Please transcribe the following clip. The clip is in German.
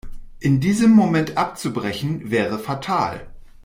In diesem Moment abzubrechen, wäre fatal.